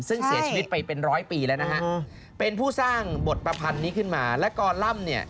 ซึ่งเสียชีวิตไปเป็นร้อยปีแล้วนะฮะเป็นผู้สร้างบทประพันธ์นี้ขึ้นมาและกอล่ำเนี่ย